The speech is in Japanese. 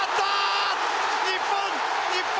日本！